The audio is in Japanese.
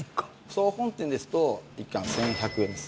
総本店ですと一貫１１００円です。